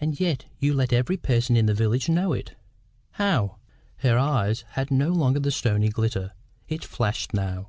"And yet you let every person in the village know it." "How?" Her eye had no longer the stony glitter. It flashed now.